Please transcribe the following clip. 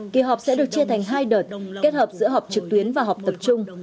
kỳ họp sẽ được chia thành hai đợt kết hợp giữa họp trực tuyến và họp tập trung